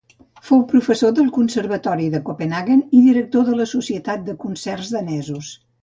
Fou professor del Conservatori de Copenhaguen i director de la Societat de Concerts Danesos.